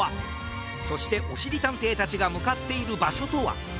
そしておしりたんていたちがむかっているばしょとは？